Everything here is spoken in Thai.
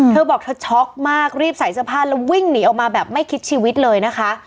เธอบอกเธอช็อกมากรีบใส่เสื้อผ้าแล้ววิ่งหนีออกมาแบบไม่คิดชีวิตเลยนะคะ